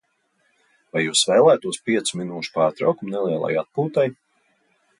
Vai jūs vēlētos piecu minūšu pārtraukumu nelielai atpūtai?